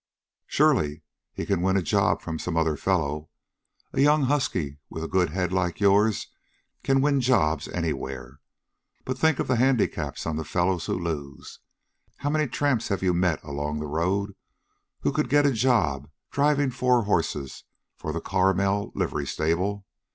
"Surely he can win a job from some other fellow? A young husky with a good head like yours can win jobs anywhere. But think of the handicaps on the fellows who lose. How many tramps have you met along the road who could get a job driving four horses for the Carmel Livery Stable?